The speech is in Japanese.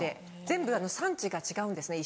全部産地が違うんですね